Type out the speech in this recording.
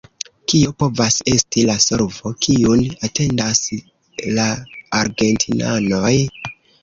Kio povas esti la solvo, kiun atendas la argentinanoj?